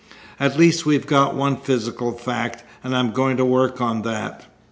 At least we've got one physical fact, and I'm going to work on that."